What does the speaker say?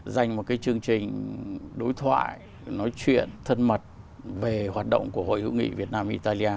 dành một chương trình đối thoại nói chuyện thân mật về hoạt động của hội hữu nghị việt nam italia